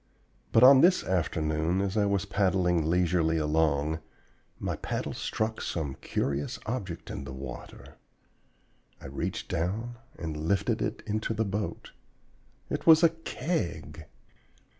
But on this afternoon as I was paddling leisurely along, my paddle struck some curious object in the water. I reached down and lifted it into the boat. It was a Keg!